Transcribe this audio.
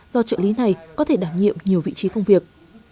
do trợ lý này có thể đảm nhiệm nhiều vị trí công việc